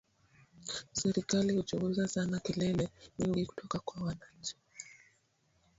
Serikali huchunguza sana kelele nyingi kutoka kwa wananchi.